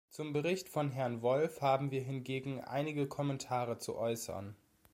Zum Bericht von Herrn Wolf haben wir hingegen einige Kommentare zu äußern.